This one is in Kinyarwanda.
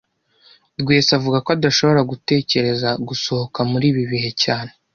Rwesa avuga ko adashobora gutekereza gusohoka muri ibi bihe cyane